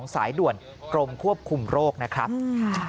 สายด่วนกรมควบคุมโรคนะครับ